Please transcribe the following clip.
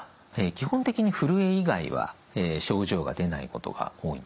基本的にふるえ以外は症状が出ないことが多いんですね。